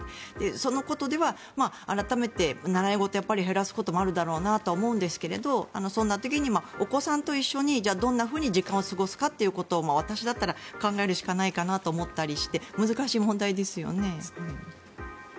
そのことでは、改めて習い事を減らすこともあるだろうなとは思うんですがそんな時にお子さんと一緒にじゃあどんなふうに時間を過ごすかということを私だったら考えるしかないかなと思ったりして難しい問題ですよね。